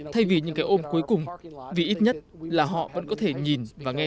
thay vì những cái ôm cuối cùng vì ít nhất là họ vẫn có thể nhìn và nghe